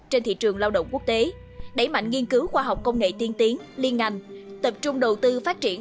trên thị trường lao động quốc tế đẩy mạnh nghiên cứu khoa học công nghệ tiên tiến liên ngành tập trung đầu tư phát triển